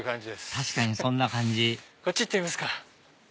確かにそんな感じこっち行ってみますか。